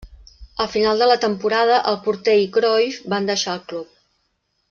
Al final de la temporada, el porter i Cruyff van deixar el club.